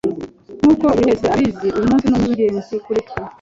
Nkuko buriwese abizi, uyumunsi numunsi wingenzi kuri twe.